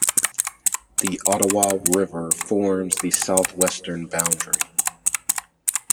The Ottawa River forms the southwestern boundary.